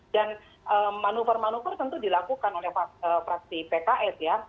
dan manuver manuver tentu dilakukan oleh fraksi pks ya